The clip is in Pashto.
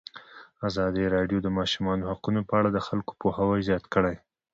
ازادي راډیو د د ماشومانو حقونه په اړه د خلکو پوهاوی زیات کړی.